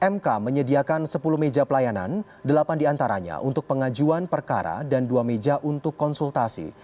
mk menyediakan sepuluh meja pelayanan delapan diantaranya untuk pengajuan perkara dan dua meja untuk konsultasi